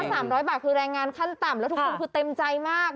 ๓๐๐บาทคือแรงงานขั้นต่ำแล้วทุกคนคือเต็มใจมาก